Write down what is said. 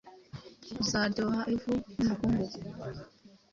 Uzaryoha ivu n'umukungugu